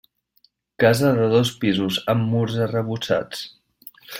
Casa de dos pisos amb murs arrebossats.